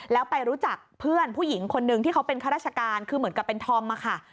แล้วไปรู้จักเพื่อนผู้หญิงคนนึงที่เขาเป็นข้าราชการคือเหมือนกับเป็นธอมอะค่ะ